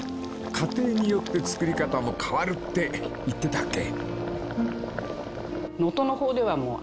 ［家庭によって作り方も変わるって言ってたっけ］